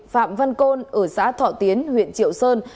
phạm văn côn ở xã thọ tiến huyện triệu sơn